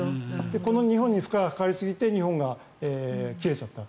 この２本に負荷がかかりすぎて２本が切れちゃった。